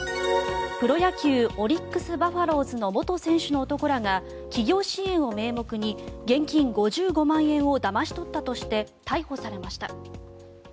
プロ野球オリックス・バファローズの元選手の男らが企業支援を名目に現金５５万円をだまし取ったとして逮捕されました。